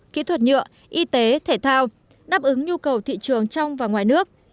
kỹ thuật nhựa y tế thể thao đáp ứng nhu cầu thị trường trong và ngoài nước